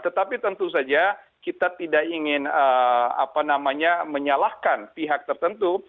tetapi tentu saja kita tidak ingin menyalahkan pihak tertentu